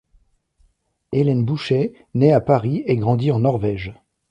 Hélène Bouchez naît à Paris et grandit en Norvège.